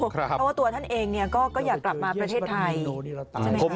เพราะว่าตัวท่านเองเนี่ยก็อยากกลับมาประเทศไทย